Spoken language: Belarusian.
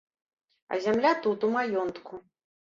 А зямля тут, у маёнтку.